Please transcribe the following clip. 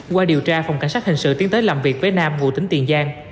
qua điều tra phòng cảnh sát hình sự tiến tới làm việc với nam ngụ tính tiền giang